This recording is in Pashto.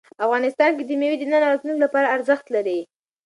افغانستان کې مېوې د نن او راتلونکي لپاره ارزښت لري.